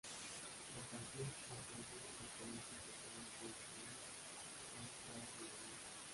La canción hace algunas referencias al tema tradicional "Au clair de la lune".